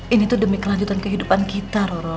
ini tuh demi kelanjutan kehidupan kita roro